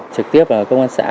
trực tiếp công an xã